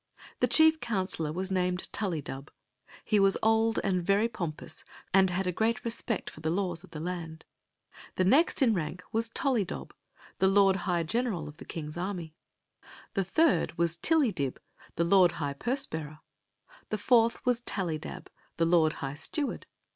The chief counselor was named Tullydub. He was old and very pompous, and had a great respect for the laws of the land. The next in rank was Tollydob, the lord high general of the king s army. The third 17 i8 Queen Zixi of Jxi^i)r, the was Tillydib, the lord high purse bearer. The fourth was Tallydab, the lord high steward.